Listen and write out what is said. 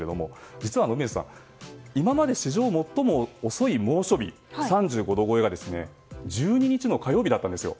実は今まで史上最も遅い猛暑日は３５度超えが１２日の火曜日だったんですよ。